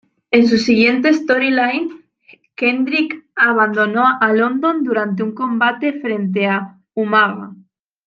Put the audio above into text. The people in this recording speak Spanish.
En su siguiente storyline, Kendrick abandonó a London durante un combate frente a Umaga.